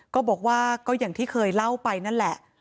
ก็บอกว่าก็อย่างที่เคยเล่าไปนั่นแหละ